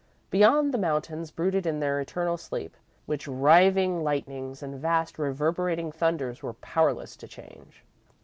Beyond, the mountains brooded in their eternal sleep, which riving lightnings and vast, reverberating thunders were powerless to change.